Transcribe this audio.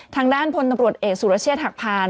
ทางด้านพลทตรวจเอกสูฬาใช่ะทักพาร